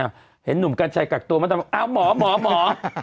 อยากเห็นหนุ่มกัญชัยกักตัวเพราะฉะนั้นลองเมาส์มหาว